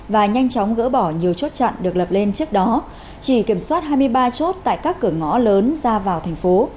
và nhanh chóng gỡ bỏ nhiều chốt chặn được lập lên trước đó chỉ kiểm soát hai mươi ba chốt tại các cửa ngõ lớn ra vào thành phố